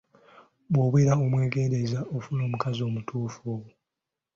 Bwobeera omwegendereza ofuna omukazi omutuufu.